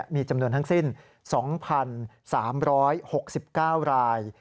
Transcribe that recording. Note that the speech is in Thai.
มีจำนวนทั้งสิ้น๒๓๖๙ราย